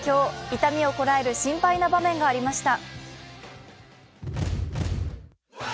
痛みをこらえる心配な場面がありました。